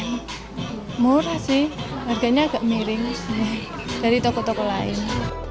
ya murah sih harganya agak miring dari toko toko lain